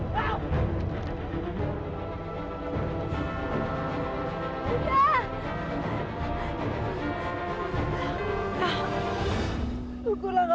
bagaimana kamu dunia